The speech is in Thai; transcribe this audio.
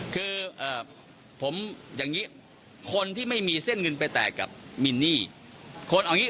คือผมอย่างนี้คนที่ไม่มีเส้นเงินไปแตกกับมินนี่คนเอางี้